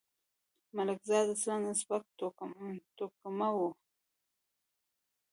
ملکزاد اصلاً ازبک توکمه وو.